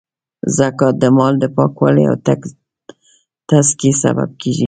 زکات د مال د پاکوالې او تذکیې سبب کیږی.